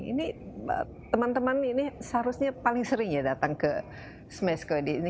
ini teman teman ini seharusnya paling sering ya datang ke smesco di ini